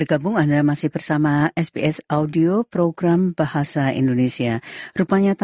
anda bersama sbs bahasa indonesia